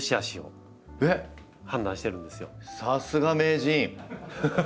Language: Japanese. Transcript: さすが名人！